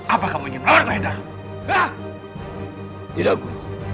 apa kamu ingin melawanku kanjeng ratu